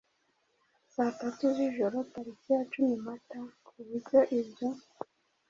saa tanu z’ijoro tariki ya cumi Mata ku buryo ibyo